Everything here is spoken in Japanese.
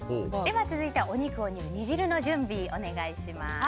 続いてお肉を煮る煮汁の準備をお願いします。